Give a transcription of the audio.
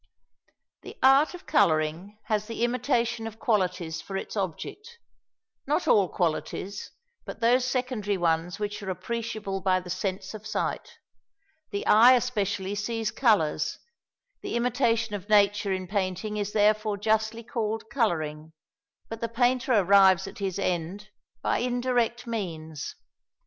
"The art of colouring has the imitation of qualities for its object; not all qualities, but those secondary ones which are appreciable by the sense of sight. The eye especially sees colours, the imitation of nature in painting is therefore justly called colouring; but the painter arrives at his end by indirect means.